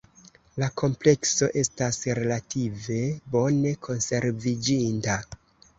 La komplekso estas relative bone konserviĝinta.